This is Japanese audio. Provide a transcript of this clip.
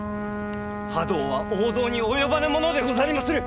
覇道は王道に及ばぬものでござりまする！